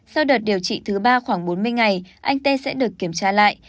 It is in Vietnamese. sau đợt điều trị thứ ba khoảng bốn mươi ngày anh tê sẽ được kiểm tra lại